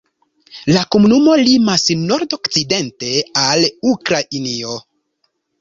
La komunumo limas nord-okcidente al Ukrainio.